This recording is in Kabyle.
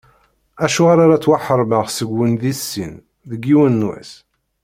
Acuɣer ara ttwaḥeṛmeɣ seg-wen di sin, deg yiwen n wass?